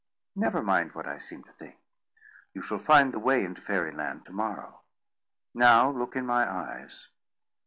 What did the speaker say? "Never mind what I seem to think. You shall find the way into Fairy Land to morrow. Now look in my eyes."